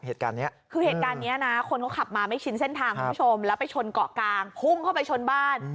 เหตุการณ์นี้คือเหตุการณ์เนี้ยนะคนเขาขับมาไม่ชินเส้นทางคุณผู้ชมแล้วไปชนเกาะกลางพุ่งเข้าไปชนบ้าน